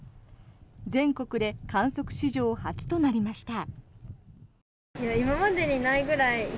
全国で観測史上初となりました。